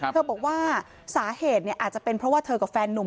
เธอบอกว่าสาเหตุอาจจะเป็นเพราะว่าเธอกับแฟนนุ่ม